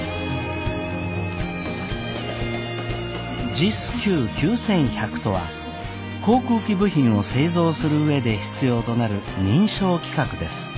ＪＩＳＱ９１００とは航空機部品を製造する上で必要となる認証規格です。